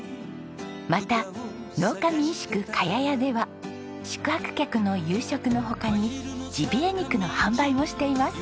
また農家民宿茅屋やでは宿泊客の夕食の他にジビエ肉の販売もしています。